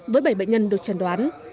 với bảy bệnh nhân được chẩn đoán